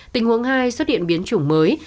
tình huống hai xuất hiện biến chủng mới